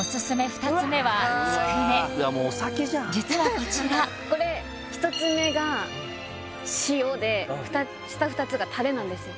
２つ目はつくね実はこちらこれ１つ目が塩で下２つがタレなんですよ